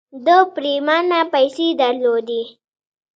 ده پرېمانه پيسې درلودې.